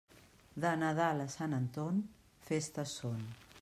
De Nadal a Sant Anton, festes són.